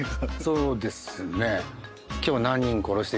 そうですね。